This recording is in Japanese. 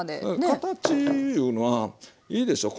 形いうのはいいでしょう